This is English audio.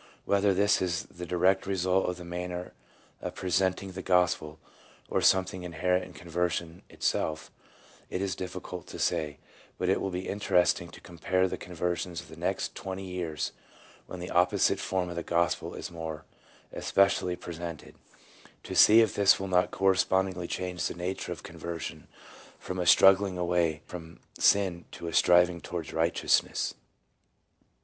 1 Whether this is the direct result of the manner of presenting the Gospel, or something inherent in conversion itself, it is difficult to say; but it will be interesting to compare the conversions of the next twenty years when the opposite form of the Gospel is more especially pre sented, to see if this will not correspondingly change 1 E. D. Starbuck, Psychology of Religion > p. 64. RELIGIOUS CONVERSION AS A CURE. 293 the nature of conversion from a struggling away from sin to a striving towards righteousness.